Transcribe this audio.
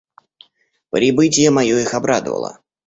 Прибытие мое их обрадовало.